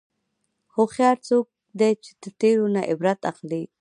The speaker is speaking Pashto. هوښیار څوک دی چې د تېرو نه عبرت اخلي.